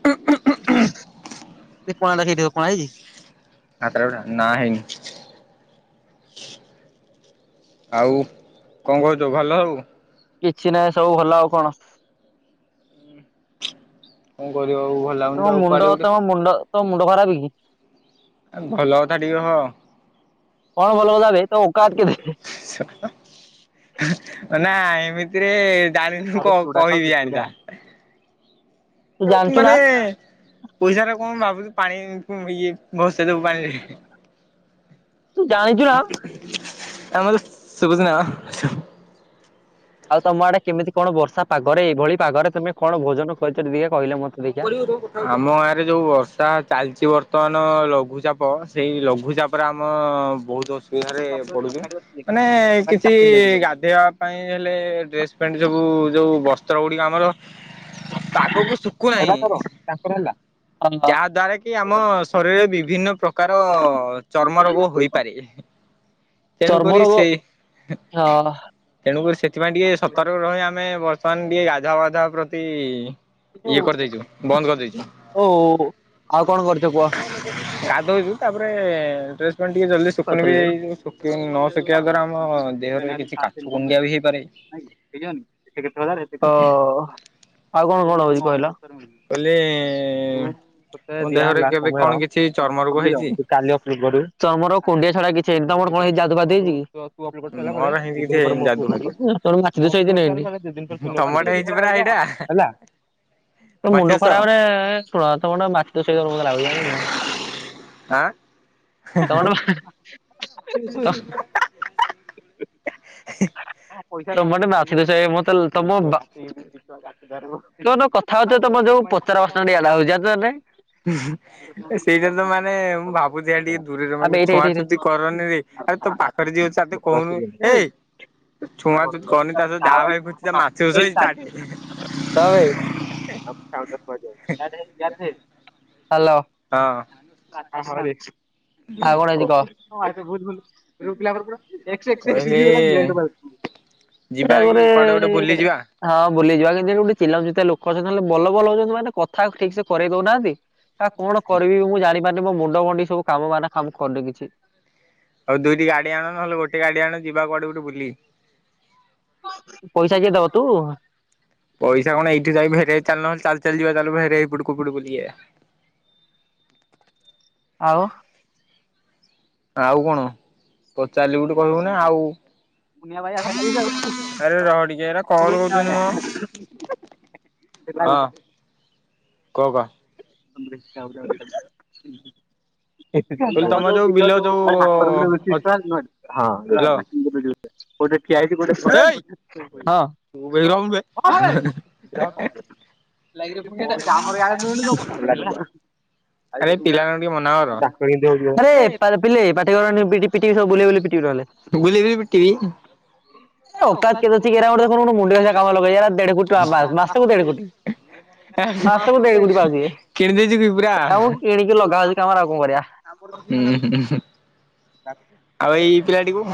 [inaudible] କଣ ଦେଖେଇଥିବ କଣ ହେଇଛି? କାକରା ପିଠା ନା ହେଇନି। ଆଉ କଣ କହୁଚ ଭଲ ସବୁ? କିଛି ନାହିଁ ସବୁ ଭଲ ଆଉ କଣ। କଣ କରିବା ଆଉ ଭ ତମ ମୁଣ୍ଡ, ତମ ମୁଣ୍ଡ, ତମ ମୁଣ୍ଡ ଖରାପେକି? ଅଭଲ କଥା ଟିକେ ହଁ। କଣ ଭଲ କଥା ବେ ତମ ଓକାତ କେତେ? [unintelligible] ଅନା ଏମିତିରେ ଜାଣିଥିଲୁ କ କହିବି ଜାଣିଥା। ତୁ ଜାଣିଛୁ ନା ତୁମାନେ ପଇସା ରାକୁ କଣ ଭାବୁଚୁ ପାଣି ଇଏ ଭସେଇ ଦବୁ ପାଣିରେ। ତୁ ଜାଣିଛୁ ନା ଆମର ଶୁବୁଚିନା କଣ ଆଉ ତମଆଡ଼େ କେମିତି କଣ ବର୍ଷା ପାଗରେ ଏଇଭଳି ପାଗରେ ତମେ କଣ ଭୋଜନ କରିଛ ଟିକେ କହିଲ ମ ଆମ ଗାଁରେ ଯୋଉ ବର୍ଷା ଚାଲିଚି ବର୍ତ୍ତମାନ ଲଘୁଚାପ ସେଇ ଲଘୁଚାପ ତାପରେ ଆମ ବହୁତ୍ ଅସୁ ବିଧାରେ ପଢ଼ୁଛୁ ମାନେ କିଛି ଗାଧେଇବା ପାଇଁ ହେଲେ ଡ୍ରେସ ପ୍ୟାଣ୍ଟ ସବୁ ଯୋଉ ବସ୍ତ୍ର ଗୁଡିକ ଆମର ପାଗକୁ ସୁ [unintelligible] ତାଙ୍କର ହେଲା। ଯାହା ଦ୍ଵାରା କି ଆମ ଶରୀରରେ ବିଭିନ୍ନ ପ୍ରକାର ଚର୍ମ ରୋଗ ହୋଇ ପାରେ ଚର୍ମ ତେଣୁକରି ରୋଗ ସେ ହଁ ତେଣୁକରି ସେଥିପାଇଁ ଟିକେ ସତର୍କ ରହିବା ଆମେ ବର୍ତ୍ତମାନ ଟିକେ ଗାଧୁଆ ପାଧୁଆ ପ୍ରତି ଇଏ କରିଦେଇଛୁ ବନ୍ଦ କରିଦେଇଛୁ ଉଁ। ଓ ଆଉ କଣ କରୁଛ କୁହ? [unintelligible] ଗାଧଉଛୁ। ତା ପରେ ଡ୍ରେସ୍ ପ୍ୟାଣ୍ଟ ଟିକେ ଜଲଦି ଶୁଖୁନିବି କହିଥିଲି ଏଇ ସୁ କିନ ନ ଶୁଖିବା ଦ୍ଵାରା ଆମ ଦେହରେ କିଛି କାଛୁ କୁଣ୍ଡିଆ ବି ହେଇପାରେ। କେଜାଣି। ଏତେ କେତେ ହଜାର ଏତେ ତ ଆଉ କଣ କଣ ହଉଛି କହିଲ? କହିଲି ତମ ଦେହରେ କେବେ କଣ କିଛି ଚର୍ମ ରୋଗ ହେଇଛି? କାଲି ଅ ପୂର୍ବରୁ ତମର କୁଣ୍ଡିଆ ଛଡା କିଛି ହେଇନି ତମର କଣ ହେଇଛି ଯାଦୁ ଫାଦୁ ଦେଇଛି କି? ତୁ ଅ ତୁ ଅପଲୋ ସାରିଲା ପରେ ମୋର ହେନ୍ତି ଦି କିଛି ଦିନ ପରେ ହେଇନି ମୁଁ ଅପଲୋ ଯାଦୁ ଫାଦୁ ହେଇଛି ସେତବେଳୁ ମାଛି ଦୋସହେଇଛି ନାଁ ହେଇନି? ଦିଦିନ ତମ ଆଡେ ହେଇଛି ପରା ହେଇଟା [unintelligible] ହେଲା ତୋ ମୁଣ୍ଡ ମାଛୁଷ ଖରାପରେ ହଁ ତମେ ଗୋଟେ ମାଷ୍ଟରସେପ ହବ ମତେ ଲାଗୁଛି ଜାଣିଲୁକି ନାଇଁ। ଆଁ? ତଣ [unintelligible] ପଇସା ମତେ ଗୋଟେ ମାଛି ଦୋଷ ହେଇ ମୋତେ ଲ ତମ ବା ଦି ଟଙ୍କା କାଟି ପାରିବୁ। ତମେ ଯଉ କଥା ହଉଛ ତମର ଯୋଉ ପଚାର ପ୍ରଶ୍ନ ଦିଆଲାହଉଛି ଜାଣିଛ ନାଇଁ? ହୁଁ ହୁଁ ଏ ସେଇଟା ତ ମାନେ ମୁଁ ଭାବୁଛି ଟିକେ ଦୂରରେ ଆବେ ମାନେ ଏଇଠି ଏଇଠି ଏଇଠି ଛୁଆଁଛୁତି କରନି ରେ ଆରେ ତୋ ପାଖରେ ଯିଏ ଅଛି ଆ ତାକୁ କହୁନୁ ଏ। ଛୁଆଁଛୁତି କରନି ତା ସ ଯାହା ଭାଇ ଘୁଞ୍ଚିଯା ମାଛି ଦୋଷ ହେଇଛି ତା ଠି ହିଁ। ହଁ ବେ [unintelligible] ହାଲୋ। ହଁ। ଆ ହରି ଆଉ କଣ ହଁ ହେଇଛି କହ ଆତ ବହୁତ୍ ଭଲ। ଝିଅପିଲାଙ୍କର ପୁରା ଏକ୍ସେ ଏକ୍ସେ ଏକ୍ସେ କହିଲି [unintelligible] ସେରା ଯିବା କି ଗୁରେ କୁଆଡେ ଗୋଟେ ଏ ବୁଲି ନିଆଁ। ଯିବା ହଁ ବୁଲିଯିବା କିନ୍ତୁ ଗୋଟେ ଚିଲାଉଛି ଲୋକ ଅଛନ୍ତି ବଲ ବଲ ହଉଛନ୍ତି ମାନେ କଥା ଠିକ୍ ସେ କରେଇ ଦଉନାହାଁନ୍ତି। ଆ କଣ କରିବି ମୁଁ ଜାଣି ପାରନି ମୋ ମୁଣ୍ଡ ଗଣ୍ଡି ସବୁ କାମ ମାନେ କାମ କରୁନି କିଛି। ଆଉ ଦୁଇଟି ଗାଡି ଆଣ ନହେଲେ ଗୋଟେ ଗାଡି ଆଣ ଯିବା କୁଆଡେ ଗୋଟେ ବୁଲି। ପଇସା କିଏ ଦବ ତୁ? ପଇସା କଣ ଏଇଠି ଯାଇ ଭେରେ ଚାଲୁନୁ ଚାଲି ଚାଲିଯିବା ଚାଲ୍ ଭେରେ ଏଇପଟୁ କୋଉପଟୁ ବୁଲିକି ଖାଇବା। ଆଉ? ଆଉ କଣ ପଚାରିଲି ଗୋଟେ କହିବୁ ନା ଆଉ। ଆରେ ରହ ଟିକେ ଏରା କଲ କରୁଛନ୍ତି ମ। ଦେଲା ଗୋଟେ। କକ? [unintelligible] ଏତି ଯାନ୍ତି ତମ ଯୋଉ ବିଲ ଯୋଉ ଅ ହ୍ୟାଲୋ [unintelligible] ଗୋଟେ ଠିଆ ହେଇଛି ଗୋଟେ ଏଇ [unintelligible] ରହୁନୁ ବେ ଏଇ ହଁ। [unintelligible] [unintelligible] ଆରେ ପିଲାମାନଙ୍କୁ ଟିକେ ମ [unintelligible] ପା ପିଲେ ପାଟି କରନି ପିଟିବି ପିଟିବି ସବୁ ବୁଲେଇ ବୁଲେଇ ପିିଟିବି ନହେଲେ। [inaudible] କି [unintelligible] ଅଛି କିରା କାମ ଲଗେଇ ଦେଢ କୋଟି ମାସକୁ ଦେଢ କୋଟି। ମାସକୁ ଦେଓ କୋଠି ପାଉଛି କିଣି ଦେଇଛୁ କି ପୁରା? ମୁଁ କିଣିକି ଲଗାହଉଛି କାମରେ ଆଉ କଣ କରିବା। ହୁଁ ହୁଁ ହୁଁ। ତା ଆଉ ଏଇ ପିଲାଟିକୁ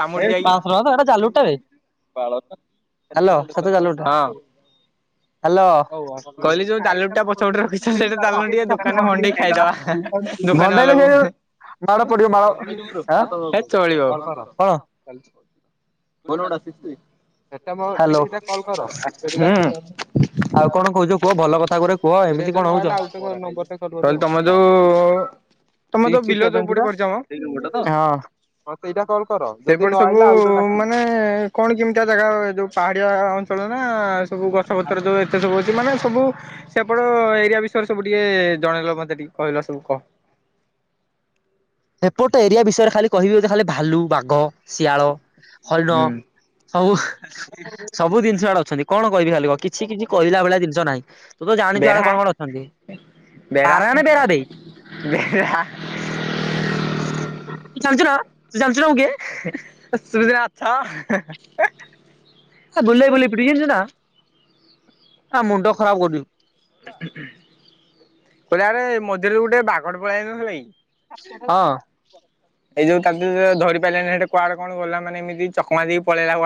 ଚାମୁଡି ଯାଇ [unintelligible] ହ୍ୟାଲୋ। ହଁ। ଗଡେଇଲେ କହିଲି ଯୋଉ ଜାଲୁଟି ଟା ପଛପଟେ ସେ ରଖିଛ ସେଇଟା ଚାଲୁନ ଟିକେ ଦୋକାନରେ ମଣ୍ଡେଇ ଯୋଉ ଖାଇଦବା। ଦୋକାନ ବାଲାକୁ ମାଡ ପଡିବ ହେ ଚଳିବ। ହୁଁ ମାଳ [unintelligible] ହ୍ୟାଲୋ। କଲ କର। [unintelligible] ଆଉ କଣ କହୁଛ କୁହ ଭଲ କଥା କୁରା କୁହ ଏମିତି କଣ କହିଲି ହଉଛ। ତମ [unintelligible] ତମେ ଯୋଉ ବିଲ ଯୋଉ ପଟେ କରିଛ ମ ହଁ ସେଇଟା କଲ କର। ସେପଟେ ସବୁ ମାନେ ମ କଣ କେମିତିଆ ଜାଗା ଯୋଉ ପାହାଡିଆ ଅଞ୍ଚଳ ନା ସବୁ ଗଛ ପତ୍ର ଯୋଉ ଏତେ ସବୁ ମାନେ ସବୁ ସେପଟ ଏରିଆ ବିଷୟରେ ସବୁ ଟିକେ ଜଣେଇଲ ମତେ ଟିକେ କହିଲ ସବୁ କହ? ଏପଟ ଏରିଆ ବିଷୟରେ ଖାଲି କହିବି ଖାଲି ଭାଲୁ ବାଘ ଶିଆଳ ହରିଣ ହୁଁ ହଉ ସବୁ ଜିନିଷ ଆଡେ ଅଛନ୍ତି କଣ କହିବି ଖାଲି କ? କିଛି କିଛି କହିଲା ଭଳିଆ ଜିନିଷ ନାହିଁ ତୁ ତ ଜାଣିଛୁ ଆଡେ କଣ କଣ ଅଛନ୍ତି। ବେରା ପାରାୟଣ ବେରାବେଇ ବେରା [unintelligible] [inaudible] ଜାଣିଚୁନା ଜାଣିଚୁନା ମୁଁ କିଏ? [unintelligible] ଅଛ [unintelligible] ବୁଲେଇ ବୁଲେଇ ପିଟିବି ଜାଣିଛି ନା ହ ମୁଣ୍ଡ ଖରାପ କରୁଚୁ। କହିଲେ ଆରେ ମଝିରେ ଗୋଟେ ବାଘଡ଼ ପଳେଇ ଆଇନଥିଲା କି? ହଁ। ଏଇ ଯୋଉ ତା ଧରି ପାରିଲାନି ସେ କୁଆଡେ କଣ ଗଲା ମାନେ ଏମିତି ଚକମା ଦେଇ ଆଁ [unintelligible]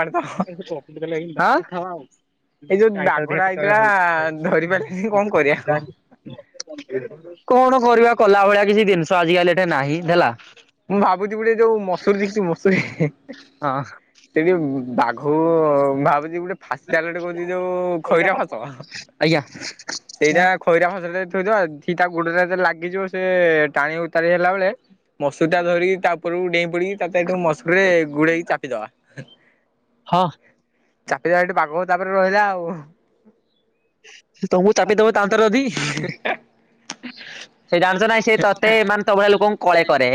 ଏଇ ଯୋଉ ବାଘଟା ଆଇଥିଲା ଧରି ପାରିଲିନି କଣ କରିବା କହ? କଣ କରିବା କଲା ଭଳିଆ କିଛି ଜିନିଷ ଆଜିକାଲି ଏଠା ନାହିଁ ହେଲା। ମୁଁ ଭାବୁଛି ଗୋଟେ ଯୋଉ ମସୁରୀ ଦେଖିଛି ମସୁରୀ। ହଁ ସେ ଯୋଉ ବାଘ ଭାବୁଛି ଗୋଟେ ଫାଶି ଜାଲ କହୁଛି ଯୋଉ ଖଇରା ଫାସ ଆଜ୍ଞା ସେଇଟା ଖଇରା ଫସଲ ଥିବ ଧ ତା ଗୋଡ଼ଟାତ ଲାଗିଯିବ ସେ ଟାଣି ଉତାରି ହେଲା ବେଳେ ମସୁର ଟା ଧରି ତା ଉପରରୁ ଡେଇଁ ପୁଡିବି ତାଠୁ ମସୁର ରେ ଗୋଡେଇକି ଚାପିଦବା। ହଁ। ଚାପି ଏଠି ବାଘ ତାପରେ ରହିଲା ଆଉ। ତ ମୁଁ ଚାପି ଦେବ ତାନ୍ତର ଯଦି। ସେ ଜାଣିଛ ନାଇଁ ସେ ତତେ ମାନେ ତୋଭଳିଆ ଲୋକଙ୍କୁ କଳେ। କରେ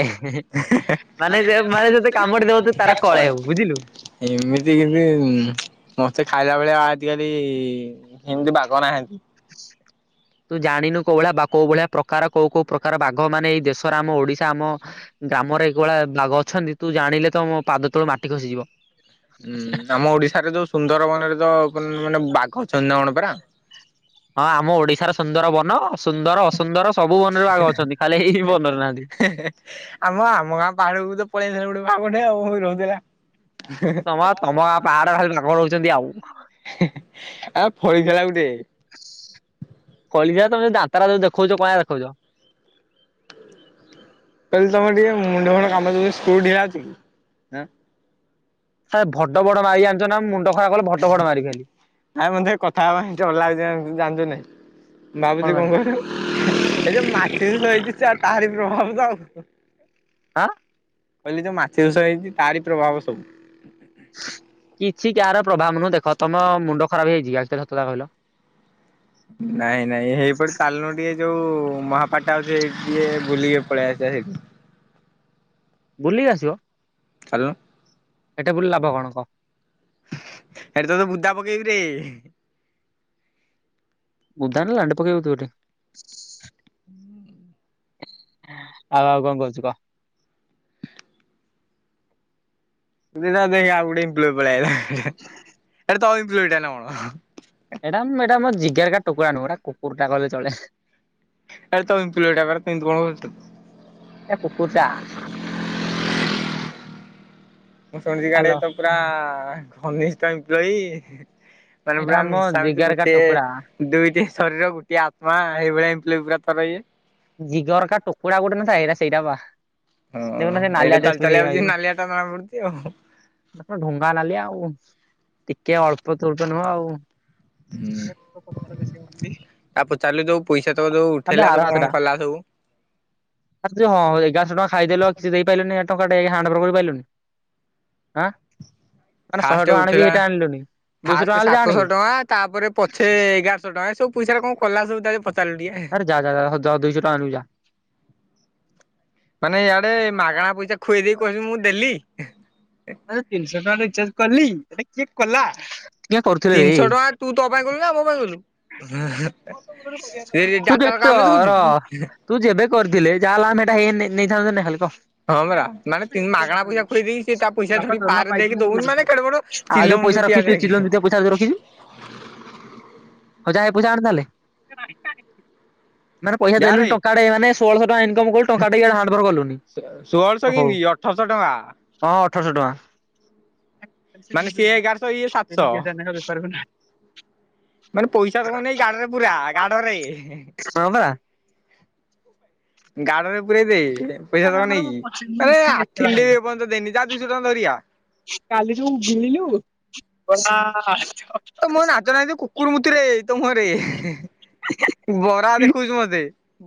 ମାନେ ମାନେ ଯତେ କାମୁଡି ଦବ ତ ତାର କଳେ ହବ ବୁଝିଲୁ। ଏମିତି କିନ୍ତତି ମତେ ଖାଇଲା ବେଳେଆ ଆ ଆଜିକାଲି ଏମିତି ବାଘ ନାହାଁନ୍ତି। ତୁ ଜାଣିନୁ କୋଉ ଭଳିଆ ବା କୋଉ ଭଳିଆ ପ୍ରକାର କୋଉ କୋଉ ପ୍ରକାର ବାଘ ମାନେ ଏଇ ଦେଶର ଆମ ଓଡିଶା ଆମ ଗ୍ରାମରେ ଏକଭଳିଆ ବାଘ ଅଛନ୍ତି ତୁ ଜାଣିଲେ ତମୋ ପାଦ ତଳୁ ମାଟି ଖସିଯିବ। ହୁଁ ଆମ ଓଡିଶାରେ ଯୋଉ ସୁନ୍ଦରବନରେ ତ ମାନେ ବାଘ ଅଛନ୍ତି ନା କଣ ପରା? ହଁ ଆମ ଓଡିଶାର ସୁନ୍ଦର ବନ ସୁନ୍ଦର ଅସୁନ୍ଦର ସବୁ ବନରେ ବାଘ ଅଛନ୍ତି। ଖାଲି ଏଇ ବନରେ ନାହାନ୍ତି। ଆମ ଆମ ଗାଁ ପାହାଡକୁ ତ ପଳେଇ ଆସିଥିଲା ଗୋଟେ ବାଘ ଟେ ଆଉ ରହୁଥିଲା। ତମ ଗାଁ, ତମ ଗାଁ ପାହାଡ ଖାଲି ବାଘ ରହୁଛନ୍ତି ଆଉ। ଆ ଫଳିଗଲା ଗୋଟେ। କଳି ଯା ତମେ ଯାତ୍ରା ଯୋଉ ଦେଖଉଛ କଣ ଦେଖଉଛ। କହିଲି ତମ ଟିକେ ମୁଣ୍ଡ ଫୁଣ୍ଡ କାମ ଦୋଉନି ସ୍କୃ ଢ଼ିଲା ଅଛି କି? ସାର୍ ଭଡ ବଡ ମାଇ ଯାଣିଛନା ମୁଣ୍ଡ ଖରାପ କଲେ ଭଡ ଭଡ ମାରି ଖାଲି ନା ବନ୍ଧୁ କଥା ହବା [unintelligible] ଭାବୁଛି କଣ କହିଲୁ, ଏ ଯୋଉ ମାଚିସ଼୍ ଥୁଆ ହେଇଛି ଆଉ ତାରି ପ୍ରଭାବ ତ ଆଉ। ଆ? କହିଲି ଯୋଉ ମାଚିସ଼୍ ଥୁଆ ହେଇଛି ତାରି ପ୍ରଭାବ ସବୁ। କିଛି କାହାର ପ୍ରଭାବ ନୁହଁ ଦେଖ ତମ ମୁଣ୍ଡ ଖରାପ ହେଇଛି ଆ ସତଟା କହିଲ? ନାଇଁ ନାଇଁ ହେଇପଟେ ଚାଲୁନୁ ଟିକେ ଯୋଉ ମହାପାଠ ଆଉ ସେ ଟିକେ ବୁଲିକି ପଳେଇ ଆସିବା ସେଇଠି। ବୁଲିକି ଆସିବ? ଚାଲୁନ। ହେଟା ବୁଲି ଲାଭ କଣ କହ? ହେଠି ତତେ ବୁଦା ପକେଇବି ରେ। ! ! ! ! ! ! ! ! ! ! ! ! ! ହୁଁ ଆଉ ଆଉ କଣ କହୁଛୁ କହ? [unintelligible] ଦେଖେ ଆଉ ଗୋଟେ ଏମ୍ପ୍ଲୋଇ ପଳୀ ଅଇଲା। ଏଟା ତମ ଏମ୍ପ୍ଲୋଇ ଟା ନା କଣ? ଏଇଟା, ଏଇଟା ମୋର ଜିଗର କା ଟୁକୁରା ନୁହଁ, ଏଟା କୁକୁର ଟା କହିଲେ ଚଳେ। ଆରେ ତମ ଏମ୍ପ୍ଲୋଇ ଟା ବା ଏମିତି କଣ ହୋଉଛୁ? ଏ କୁକୁର୍ ଟା। ମୁଁ ଶୁଣିଛି ତମେ ହାଲୋ କାଳେ ପୁରା ଘନିଷ୍ଠ ଏମ୍ପ୍ଲୋଇ? ମାନେ ଏଇଟା ପୁରା ଆମ ମିଶାମିସି ଜିଗାରକା ଗୋଟେ ଟୁକୁଡା ଦୁଇଟି ଶରୀର ଗୋଟିଏ ଆତ୍ମା ଏଇଭଳିଆ ଏମ୍ପ୍ଲୋଇ ପୁରା ଇଏ। ଜିଗର କା ଟୁକୁଡ଼ା ଗୋଟେ ନଥାଏ ଏଇଟା ସେଇଟା ବା। ହଁ ଦେଖୁନ ସେ ନାଲିଆ ଏଇଟା ଡ୍ରେସ ଚାଲି ଚାଲି ପିନ୍ଧିକି ଭାଇ ଆଉଛି ନାଲିଆ ଟା ଯାଣା ପଡୁଛି ଆଉ। ଢୁଙ୍ଗା ନାଲିଆ ଆଉ, ଟିକେ ଅଳ୍ପ ତଳ୍ପ ନୁହଁ ଆଉ। ହୁଁ ତା ପଚାରିଲୁ ଯୋଉ ପଇସା ତ ଯୋଉ ଆବେ ଉଠେଇଲା ଆର ସବୁ କଣ କଲା ସବୁ? ଆ ହଁ ଏଗାରଶହ ଟଙ୍କା ଖାଇଦେଲ କିଛି ଦେଇ ପାରିଲନି ଟଙ୍କା ଟା ହାଣ୍ଡ ବର୍ କରିପାରିଲନି? ଆଁ। ମାନେ ଶହେ ଫାଷ୍ଟ ଟଙ୍କା ଆଣିବି ଉଠିଲା, ଏଇଟା ଆଣିଲୁନି ଦୁଇଶହ ଟଙ୍କା ଫାଷ୍ଟ ହେଲେ ଯା ସାତଶହ ଆଣିବୁ ଟଙ୍କା ତାପରେ ପଛେ ଏଗାର ଟା ସବୁ ପଇସାରା କଣ କଲା ସବୁ ତା ପ ଆରେ ଯା ଯା ଯ ଦଇଶହ ଟଙ୍କା ଆଣିବୁ ଯା ମାନେ ଇଆଡେ ମାଗଣା ପଇସା ଖୁଆଇ ଦେଇେଇ କହୁଛୁ ମୁଁ ଦେଲି? ଆରେ ତିନିଶହ ଟଙ୍କା ରିଚାର୍ଜ କଲି ଏଟା କିଏ କଲା? ତିନଶହ ଟଙ୍କ ତୁ ତୋ ପାଇଁ କଲୁ ନା ମୋ ପାଇଁ କଲୁ? ଏଇଟି ତୁ ଟାଟା ର ଯେତେ କାମ ର ଦେଖୁଛୁ? ତୁ ଯେବେ କରିଥିଲେ ଯାହା ହେଲା ଆମେ ହେଟା ହେଇ ନେଇ ନେଇଥାନ୍ତୁ ନା ହାଲ୍ କା। [inaudible] ହଁ ପରା ମାନେ ମାଗଣା ପଇସା ଖୁଏଇ ଦେଇକି ସେ ତା ପଇସା ଧରି ପାରେ ଦେଇକି ଦଉନି ମାନେ କେଡେ ବଡ ଆଉ ଚିଲମ ଯୋଉ ପଇସା ଚୁଟିଆ ରଖିଚୁ ଏଇ ଦେଖେ। ଚିଲର ଭିତରେ ପଇସା ରଖିଜୁ [inaudible] ହଉ ଯା ହେ ପଇସା ଆଣେ ତାହେଲେ। ମାନେ ପଇସା ଦେଲୁନି ଟଙ୍କା ଡେ ମାନେ ଷୋହଳଶ ଟଙ୍କା ଇନକମ୍ କ ଷୋହଳଶ ହଉ କିନ୍ଦି ଅଠରଶ ଟଙ୍କା। ହଁ ଅଠରଶ ଟଙ୍କା। ମାନେ ସିଏ ଏଗାରଶହ ଇଏ ସାତଶହ [unintelligible] ମାନେ ପଇସା ତମର ନାଇଁ ଗାଡରେ ପୁରା ଗାଡ ରେ। ହଁ ବା। ଗାଡରେ ପୁରେଇ ଦେ ପଇସା ତକ ନେଇକି ଆରେ ଆଠିଣି ଟେ ଏ ପର୍ଯ୍ୟନ୍ତ ଦେଇନି ଯା ଦୁଇଶହ ଟଙ୍କା ଧରିଗି ଆ। କାଲି ଯଉ ଗିଳିଲୁ [unintelligible] ତ ମୁଁହ ନାଜ ନାହିଁ ତୁ କୁକୁର ମୁତୁରେ ତ ମୁଁହରେ ହେ ବରା ଦେଖଉଚୁ ମତେ।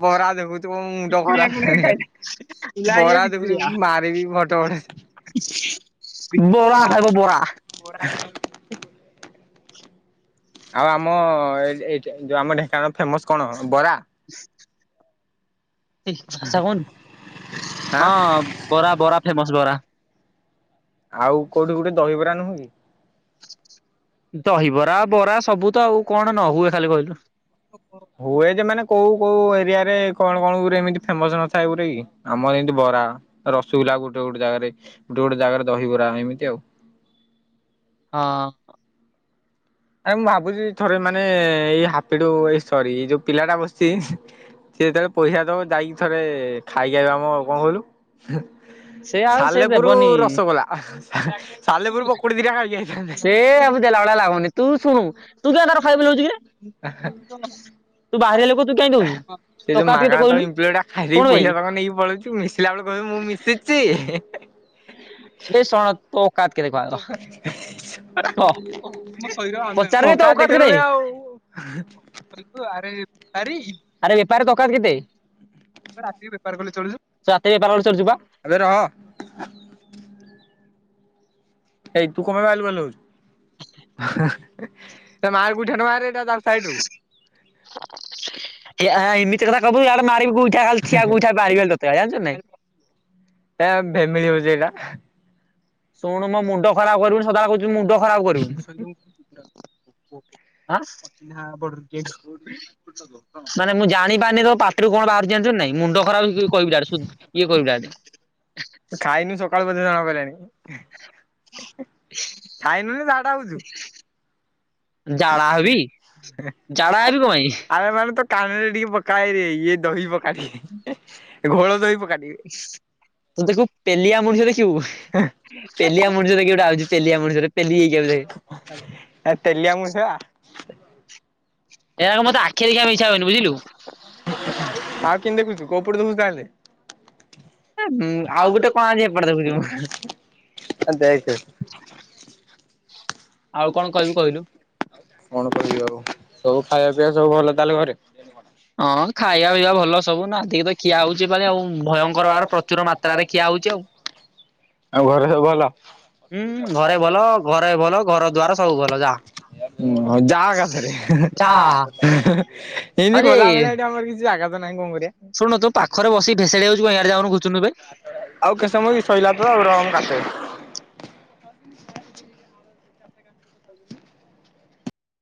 ବରା ଦେଖଉ ତ ମୁଣ୍ଡ ଖରା ବରା ଦେଖୁଛୁ ମାରିବି ଭଡ ଭଡ଼ ବରା ଖାଇବ ବରା। ଆଉ ଆମ ଯଉ ଆମ ଢେଙ୍କାନାଳ ଫେମସ କଣ ବରା? [inaudible] ଏ ଭାଷା କହନି ଆଁ ହଁ ବରା ବରା ଫେମସ ବରା। ଆଉ କୋଉଠି ଗୋଟେ ଦହିବରା ନୁହଁ କି। ଦହିବରା ବରା ସବୁ ତ ଆଉ କଣ ନ ହୁଏ ଖାଲି କହିଲୁ। ହୁଏ ଯେ ମାନେ କୋଉ କୋଉ ଏରିଆ ରେ କଣ କଣ ଗୋରେ ଏମିତି ଫେମସ ନଥାଏ ଗୋରେ ଗି। ଆମର ଏମିତି ବରା ରସଗୁଲା ଗୋଟେ ଗୋଟେ ଜାଗାରେ ଗୋଟେ ଗୋଟେ ଜାଗାରେ ଦହିବରା ଏମିତି ଆଉ। ହଁ। ଆରେ ମୁଁ ଭାବୁଛି ଥରେ ମାନେ ଏଇ ହାପିଡୁ ଏଇ ସରି ଏ ଯୋଉ ପିଲାଟା ବସଚି ସେ ଯେତେବେଳେ ପଇସା ଦବ ଯାଇକି ଥରେ ଖାଇକି ଆଇବା ଆମ କଣ କହିଲୁ ସେ ଆଉ ସେ ସାଲେପୁର ଦେବନି ରସଗୋଲା। ସାଲେପୁରୁ ପକୁଡ଼ି ଦିଟା ଖାଇକି ଆଇଥାନ୍ତେ। ଏ ଦେଲା ଭଳିଆ ଲାଗୁନି ତୁ ଶୁଣୁ ତୁ କିଆଁ ତାର ଖାଇ ବୁଲଉଛୁ କିରେ। ତୁ ବାହାରିଆ ଲୋକ ତୁ କାଇଁ ଦଉଛୁ ସେ ଯୋଉ ତକାତ କେତେ ମାଗାଣ ତ କହିଲୁ ଇମ୍ପ୍ଲଟା ଖାଇ ଦେଇ ଶୁଣ କି ଭାଇ ପଇସା ତଙ୍କ ନେଇକି ପଳଉଛି। ମିଶିଲା ବେଳେ କହିବୁ ମୁଁ ମିଶିଚି। ବେ ଶଣ ତ ଅକାତ କେତେ କହ ଆଗ। ପଚାରିବେ ତୋ ଓକାତ ଦେଖିଲୁଣି ଆଉ। ଆରେ ବେପାରୀ ଆରେ ବେପାରୀ ତ ଅକାତ କେତେ? ରାତିରେ ବେପାର କଲେ ଚଳୁଚୁ ରାତିରେ ବେପାର କଲେ ଚଳୁଚୁୁ ବା। ଆବେ ରହ। [inaudible] ଏଇ ତୁ କଣ ପାଇଁ ବାଲୁ ବାଲୁ ହଉଚୁ ହଁ ତା ମାରେ ଗୋଇଠା ଟେ ମାରେ ତାକୁ ସାଇଡ ରୁ ଏ ଏମିତି କଥା କବୁ ଇଆଡେ ମାରିବୁ ଗୁଇଠା ଖାଲି ଠିଆ ଗୁଇଠା ମାରିବେ ତତେବେଳେ ଜାଣିଛୁ ନାଇଁ ଏ ଭେମିଳି ହଉଛି ଏଇଟା ଶୁଣୁ ମୋ ମୁଣ୍ଡ ଖରାପ କରିବୁନି ସଦାବେଳେ କହୁଛି ମୁଣ୍ଡ ଖରାପ କରିବୁନି। ଆ ହାଁ କି [unintelligible] ମାନେ ମୁଁ ଜାଣିପାରୁନି ତୋ ପାଟିରୁ କଣ ବାହାରୁଚି ଜାଣିଚୁ କି ନାଇଁ ମୁଣ୍ଡ ଖରାପ କହିବୁ ଜା ହାଡ଼େ ସ ଇଏ କରିବୁ ଜା ହାଡ଼େ ତୁ ଖାଇନୁ ସକାଳୁ ବୋଧେ ଜଣାପଇଲାଣି ଖାଇନୁ ନା ଝାଡା ହଉଛୁ? ଜାଡା ହେବି ଝାଡା ହେବି କଁ ପାଇଁ? ଆରେ ନହେଲେ ତୋ କାନରେ ଟିକେ ପକା ଏଇ ଇଏ ଦହି ପକା ଟିକେ ଘୋଳ ଦହି ପକା ଟିକେ। ଏଇ ଦେଖିବୁ ପେଲିଆ ମଣିଷ ଦେଖିବୁ? ପେଲିଆ ମଣିଷଟେ କିଏ ଗୋଟେ ଆଉଛି ପେଲିଆ ମଣିଷଟେ ପେଲି ହେଇକି ଆଉଛି ଦେଖେ। ଆ ତେଲିଆ ମଣିଷ ବା। ଏଗୁଡ଼ାକ ମତେ ଆଖି ଦେଖିଆ ମିଛ କହିଲୁ ବୁଝିଲୁ। ଆଉ କେମିତି ଦେଖୁଛୁ କୋଉ ପଟେ ଦେଖୁଛୁ ତାହେଲେ? ଏ ଉଁ ଆଉ ଗୋଟେ କଣ ଆଜି ଏପଟେ ଦେଖୁଛିି। ହଉ ଦେଖେ। ହଁ ଆଉ କଣ କହିବି କହିଲୁ କଣ କହିବି ଆଉ ସବୁ ଖାଇବା ପିଇବା ସବୁ ଭଲ ତାହେଲେ ଘରେ? ହଁ ଖାଇବା ପିଇବା ଭଲ ସବୁ ଦେଖିଆ ଆଉ ଭୟଙ୍କର ଭାବରେ ପ୍ରଚୁର ମାତ୍ରାରେ ଖିଆ ହଉଛି ଆଉ। ଆଉ ଘରେ ସବୁ ଭଲ? ହୁଁ ଉଁ ଘରେ ଭଲ ଘରେ ଭଲ ଘର ଦ୍ୱାର ସବୁ ଭଲ ଯା। ହଉ ଯା ଏକାଥରେ। ହେ ହେ ଯା ହେ ହେ ଏମିତି ଆରେ କଲା ଭଳିଆ ଏଇଠି ଆମର କିଛି ଜାଗ ତ ନାହିଁ କଣ କରିଆ? ଶୁଣୁ ତୁ ପାଖରେ ବସି ଭେସେଡି ହଉଛୁ କାଇଁ ସିଆଡେ ଯାଉନୁ ଘୁସୁଡୁନୁ ବେ। ଆଉ କେତେ ସମୟ କି ସଇଲା ତ ଆଉ ରହ ମୁଁ କାଟେ?